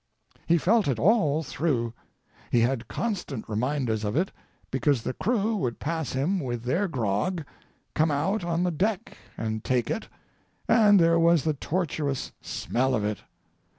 "He felt it all through; he had constant reminders of it, because the crew would pass him with their grog, come out on the deck and take it, and there was the torturous Smell of it.